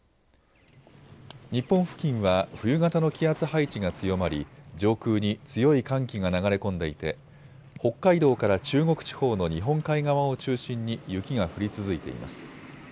日本付近は冬型の気圧配置が強まり上空に強い寒気が流れ込んでいて北海道から中国地方の日本海側を中心に雪が降り続いています。